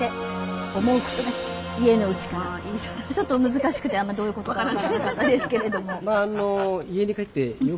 難しくてあんまどういうことか分からなかったですけれども。